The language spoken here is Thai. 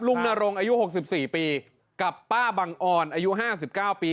นรงอายุ๖๔ปีกับป้าบังออนอายุ๕๙ปี